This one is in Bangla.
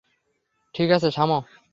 ঠিক আছে, থামো।